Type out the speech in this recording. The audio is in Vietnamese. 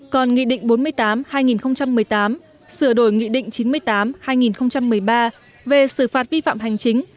còn nghị định bốn mươi tám hai nghìn một mươi tám sửa đổi nghị định chín mươi tám hai nghìn một mươi ba về xử phạt vi phạm hành chính